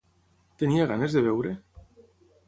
Tenia ganes de beure?